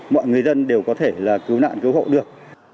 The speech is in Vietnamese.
mọi người dân đều có thể là cứu nạn cứu hộ được